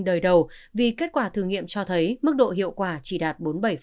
đời đầu vì kết quả thử nghiệm cho thấy mức độ hiệu quả chỉ đạt bốn mươi bảy